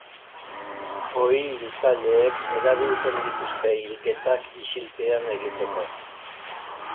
Ohi hiltzaileek erabiltzen dituzte hilketak isilpean egiteko.